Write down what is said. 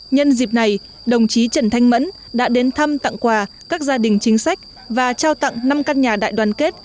nhân dịp này đồng chí trần thanh mẫn đã đến thăm tặng quà các gia đình chính sách và trao tặng năm căn nhà đại đoàn kết